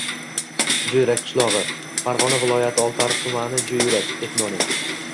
Juyrak – q., Farg‘ona viloyati Oltiariq tumani. Juyrak - etnonim.